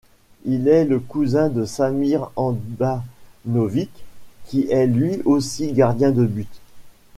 Il est le cousin de Samir Handanović, qui est lui aussi gardien de but.